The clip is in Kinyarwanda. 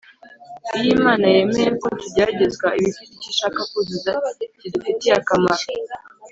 . Iyo Imana yemeye ko tugeragezwa, iba ifite icyo ishaka kuzuza kidufitiye akamaro